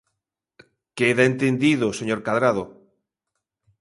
Queda entendido, señor Cadrado.